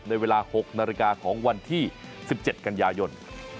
ในเวลา๖นาฬิกาของวันที่๑๗กันยายน